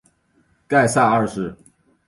盖萨二世。